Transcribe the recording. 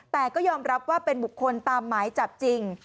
แต่ก็ยอมรับว่าเป็นบุคคลตามหมายจับจริง